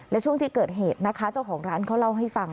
และช่วงที่เกิดเหตุนะคะเจ้าของร้านเขาเล่าให้ฟัง